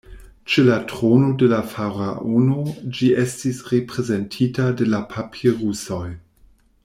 Ĉe la trono de la faraono ĝi estis reprezentita de papirusoj.